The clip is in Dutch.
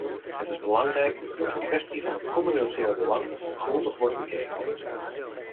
Het is belangrijk dat de kwestie van het communautair belang grondig wordt bekeken.